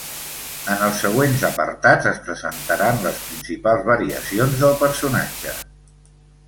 En els següents apartats es presentaran les principals variacions del personatge.